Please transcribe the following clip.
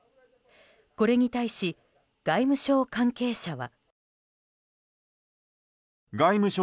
これに対し、外務省関係者は。